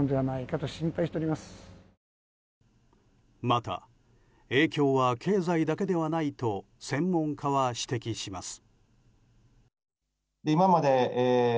また、影響は経済だけではないと専門家は指摘します。